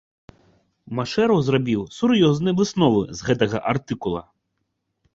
Машэраў зрабіў сур'ёзныя высновы з гэтага артыкула.